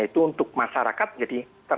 itu untuk masyarakat jadi